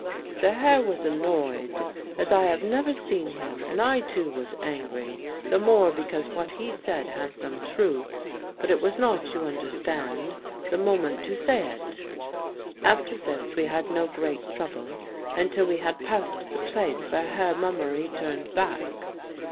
The Herr was annoyed, as I have never seen him; and I too was angry, the more because what he said had some truth, but it was not, you understand, the moment to say it. After this we had no great trouble until we had passed the place where Herr Mummery turned back.